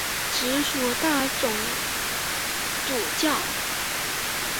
直属大总主教。